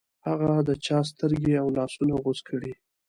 هغه د چا سترګې او لاسونه غوڅ کړې.